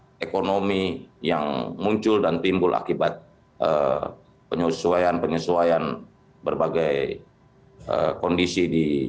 kondisi ekonomi yang muncul dan timbul akibat penyesuaian penyesuaian berbagai kondisi di